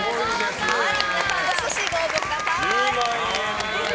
皆さん、どしどしご応募ください。